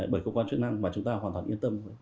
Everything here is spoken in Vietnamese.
bởi cơ quan chức năng và chúng ta hoàn toàn yên tâm